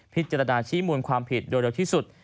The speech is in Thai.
พิจารณาชี้มูลความผิดโดยเร็วที่สุด